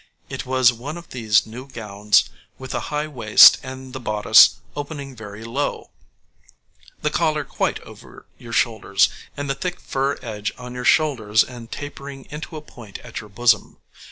It was one of those new gowns with the high waist and the bodice opening very low, the collar quite over your shoulders, and the thick fur edge on your shoulders and tapering into a point at your bosom.